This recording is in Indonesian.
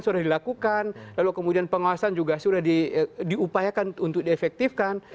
sudah dilakukan lalu kemudian pengawasan juga sudah diupayakan untuk diefektifkan